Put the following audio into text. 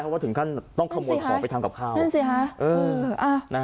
ว่าถึงขั้นต้องขโมยของไปทำกับข้าวนั่นสิฮะ